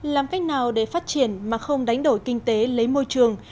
làm cách nào để phát triển mà không đánh đổi kinh tế lấy môi trường